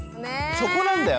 そこなんだよね。